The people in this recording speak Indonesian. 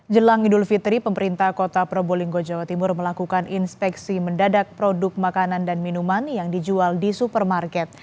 jelang idul fitri pemerintah kota probolinggo jawa timur melakukan inspeksi mendadak produk makanan dan minuman yang dijual di supermarket